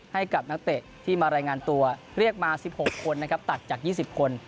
ให้กับนักเตะที่มารายงานตัวเรียกมา๑๖คนนะครับตัดจาก๒๐คน